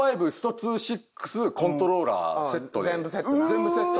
全部セット。